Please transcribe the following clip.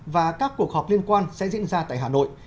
và các cuộc họp liên quan sẽ diễn ra tại hà nội